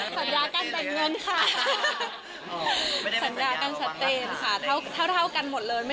สัญญากันชัดเจนค่ะเท่ากันหมดเลย